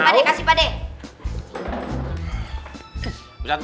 kasih pade kasih pade